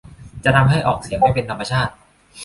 จะทำให้ออกเสียงไม่เป็นธรรมชาติ